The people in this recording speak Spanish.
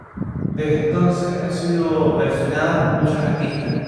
Desde entonces ha sido versionada por muchos artistas.